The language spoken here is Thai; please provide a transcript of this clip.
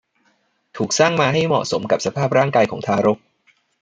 ถูกสร้างมาให้เหมาะสมกับสภาพร่างกายของทารก